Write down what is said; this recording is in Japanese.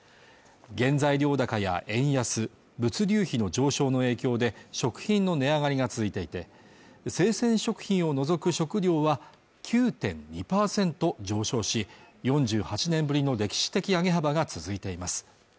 原材料高や円安、物流費の上昇の影響で食品の値上がりが続いていて生鮮食品を除く食料は９．２％上昇し４８年ぶりの歴史的上げ幅が続いています